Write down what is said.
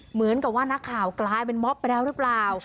เหมือนกับว่านักข่าวกลายเป็นม็อบไปแล้วหรือเปล่า